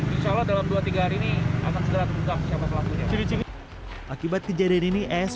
insyaallah dalam dua tiga hari ini akan segera terbuka siapa selanjutnya akibat kejadian ini es